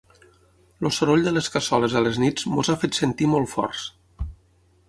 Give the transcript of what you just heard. El soroll de les cassoles a les nits ens ha fet sentir molt forts.